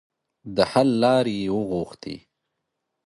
د حل لارې یې وغوښتې.